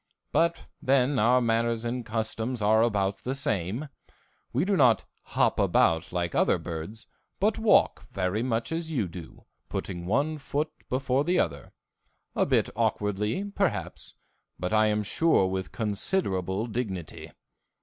But, then, our manners and customs are about the same. We do not hop like other birds, but walk very much as you do, putting one foot before the other, a bit awkwardly, perhaps, but I am sure with considerable dignity.